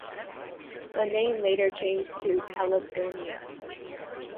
The name later changed to Caledonia.